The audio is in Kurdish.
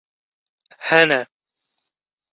Hene